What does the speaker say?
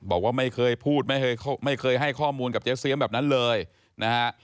บอกว่าไม่เคยพูดไม่เคยไม่เคยให้ข้อมูลกับเจ๊เสียมแบบนั้นเลยนะฮะ